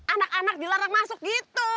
anak anak dilarang masuk gitu